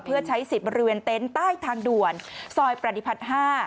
เพื่อใช้สิทธิ์บริเวณเต็นต์ใต้ทางด่วนซอยปฏิพัฒน์๕